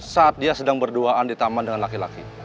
saat dia sedang berduaan di taman dengan laki laki